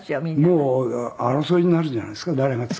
もう争いになるんじゃないですか誰が継ぐか。